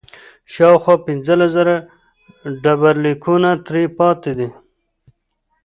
شاوخوا پنځلس زره ډبرلیکونه ترې پاتې دي